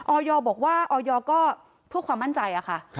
ออยบอกว่าออยก็พวกความมั่นใจอะค่ะ